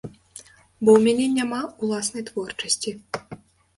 Бо ў мяне няма ўласнай творчасці.